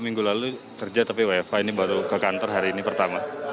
minggu lalu kerja tapi wfa ini baru ke kantor hari ini pertama